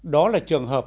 đó là trường hợp